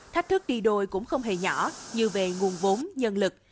thách thức đi đôi cũng không hề nhỏ như về nguồn vốn nhân lực